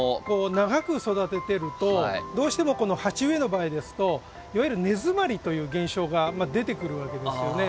長く育ててるとどうしてもこの鉢植えの場合ですといわゆる根詰まりという現象が出てくるわけですよね。